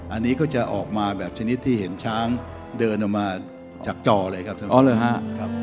อันนี้ก็จะออกมาแบบชนิดที่เห็นช้างเดินออกมาจากจอเลยครับท่าน